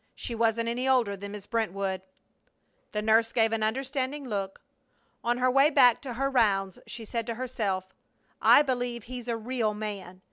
"She wasn't any older than Miss Brentwood." The nurse gave an understanding look. On her way back to her rounds she said to herself: "I believe he's a real man!